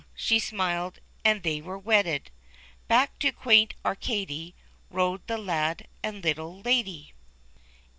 she smiled, and they were wedded ;— Back to Quaint Arcady rode the lad and little lady.